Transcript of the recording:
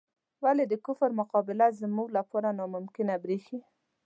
ولې د کفر مقابله زموږ لپاره ناممکنه بریښي؟